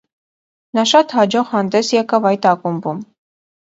Նա շատ հաջող հանդես եկավ այդ ակումբում։